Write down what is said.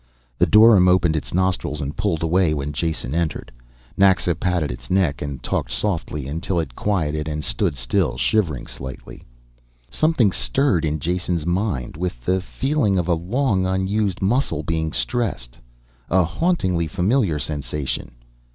The dorym opened its nostrils and pulled away when Jason entered; Naxa patted its neck and talked softly until it quieted and stood still, shivering slightly. Something stirred in Jason's mind, with the feeling of a long unused muscle being stressed. A hauntingly familiar sensation.